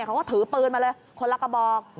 เขาก็ถือปืนมาเลยคนละกระบอก